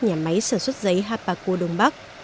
nhà máy sản xuất giấy hapaco đông bắc